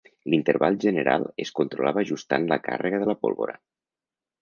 L'interval general es controlava ajustant la càrrega de la pólvora.